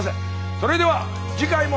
それでは次回も。